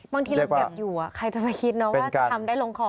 บางทีเราเก็บอยู่ใครจะไปคิดนะว่าจะทำได้ลงคอ